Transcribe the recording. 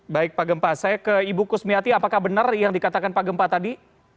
baik pak gempa saya ke ibu kusmiati apakah benar yang dikatakan pak gempa tadi